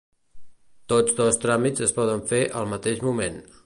Tots dos tràmits es poden fer al mateix moment.